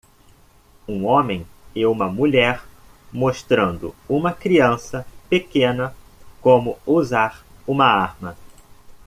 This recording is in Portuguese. Um homem e uma mulher mostrando uma criança pequena como usar uma arma.